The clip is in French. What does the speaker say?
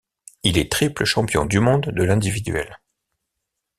Il est triple champion du monde de l'individuelle.